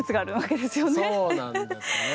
そうなんですね。